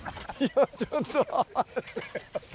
ちょっと。